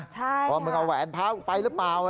ใช่ว่ามึงเอาแหวนพระกูไปหรือเปล่า